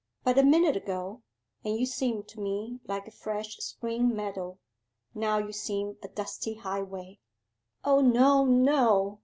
But a minute ago, and you seemed to me like a fresh spring meadow now you seem a dusty highway.' 'O no, no!